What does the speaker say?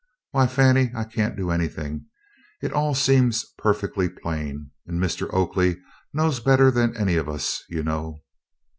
"Why, Fannie, I can't do anything. It all seems perfectly plain, and Mr. Oakley knows better than any of us, you know."